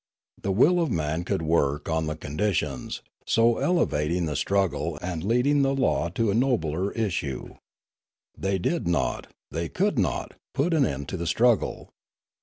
The will of man could work on the con ditions, so elevating the struggle and leading the law to a nobler issue. They did not, they could not, put an end to the struggle.